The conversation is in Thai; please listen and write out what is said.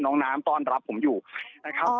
น้องน้ำต้อนรับผมอยู่นะครับ